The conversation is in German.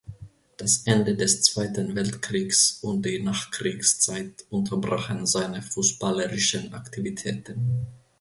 Das Ende des Zweiten Weltkriegs und die Nachkriegszeit unterbrachen seine fußballerischen Aktivitäten.